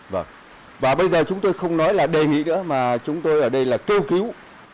và bây giờ chúng tôi không nói là đề nghị nữa mà chúng tôi ở đây là kêu cứu